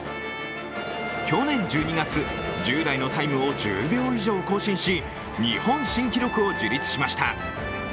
去年１２月、従来のタイムを１０秒以上更新し、日本新記録を樹立しました。